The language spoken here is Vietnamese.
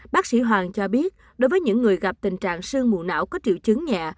bác sĩ hoàng cho biết đối với những người gặp tình trạng sương mù não có triệu chứng nhẹ